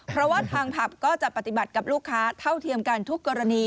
เพราะว่าทางผับก็จะปฏิบัติกับลูกค้าเท่าเทียมกันทุกกรณี